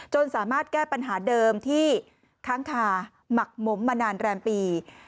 สามารถแก้ปัญหาเดิมที่ค้างคาหมักหมมมานานแรมปี